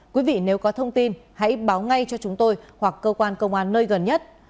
quý vị nếu có thông tin hãy báo ngay cho chúng tôi hoặc cơ quan công an nơi gần nhất